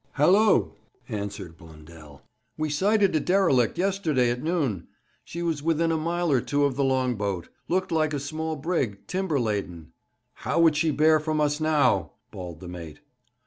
'Hallo!' answered Blundell. 'We sighted a derelict yesterday at noon. She was within a mile or two of the long boat. Looked like a small brig, timber laden.' 'How would she bear from us now?' bawled the mate.